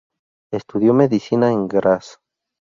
Estudió medicina en Graz.